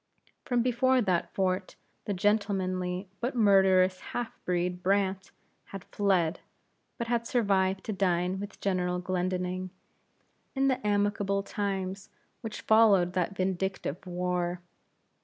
From before that fort, the gentlemanly, but murderous half breed, Brandt, had fled, but had survived to dine with General Glendinning, in the amicable times which followed that vindictive war.